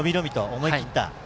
思い切った。